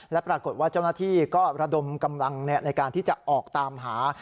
และปรากฏว่าเจ้าหน้าที่ก็ระดมกำลังในการที่จะออกตามหา